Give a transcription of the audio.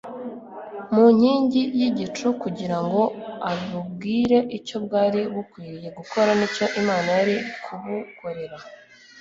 mu nkingi y'igicu kugira ngo abubwire icyo bwari bukwiriye gukora n'icyo Imana yari kubukorera.